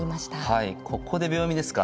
はいここで秒読みですか。